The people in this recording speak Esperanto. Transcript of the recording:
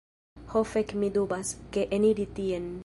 Ho fek' mi dubas, ke eniri tien